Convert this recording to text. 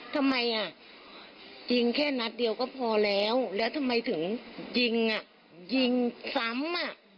ทำไมอ่ะยิงแค่นัดเดียวก็พอแล้วแล้วทำไมถึงยิงอ่ะยิงยิงซ้ำอ่ะ